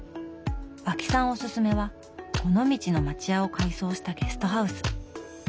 和氣さんおすすめは尾道の町家を改装したゲストハウス。